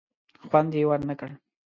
خوند یې ور نه کړ.